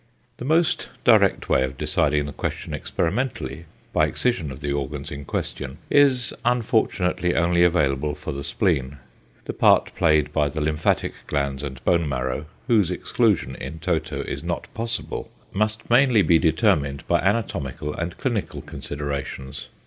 The most direct way of deciding the question experimentally by excision of the organs in question, is unfortunately only available for the spleen. The part played by the lymphatic glands and bone marrow, whose exclusion in toto is not possible, must mainly be determined by anatomical and clinical considerations.